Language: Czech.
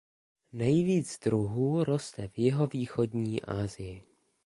Nejvíc druhů roste v jihovýchodní Asii.